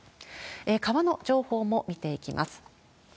川の情報も見ていきます。